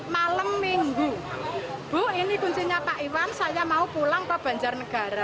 malam minggu bu ini kuncinya pak iwan saya mau pulang ke banjarnegara